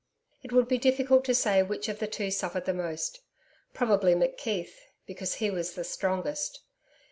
It would be difficult to say which of the two suffered the most. Probably McKeith, because he was the strongest.